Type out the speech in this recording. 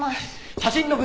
写真の分析